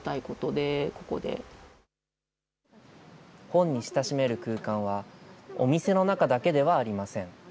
本に親しめる空間は、お店の中だけではありません。